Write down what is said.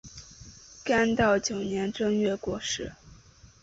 干道九年正月过世。